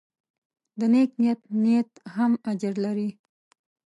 د نیک نیت نیت هم اجر لري.